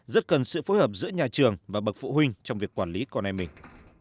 rất cần sự phối hợp giữa nhà trường và bậc phụ huynh trong việc quản lý con em mình